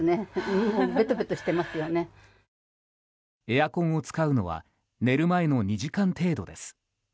エアコンを使うのは寝る前の２時間程度です。